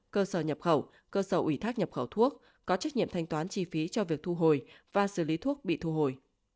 cơ sở nhập khẩu cơ sở ủy thác nhập khẩu thuốc có trách nhiệm thanh toán chi phí cho việc thu hồi và xử lý thuốc bị thu hồi